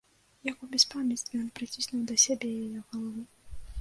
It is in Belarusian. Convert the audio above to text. Як у бяспамяцтве, ён прыціснуў да сябе яе галаву.